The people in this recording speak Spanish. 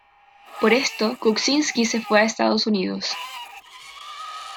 Por esto Kuczynski se fue a Estados Unidos.